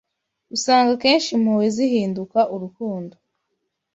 Usanga akenshi impuhwe zihinduka urukundo.